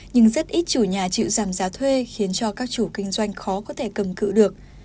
nhưng rất ít chủ nhà chịu giảm giá thuê khiến cho các chủ kinh doanh khó có thể cầm cự được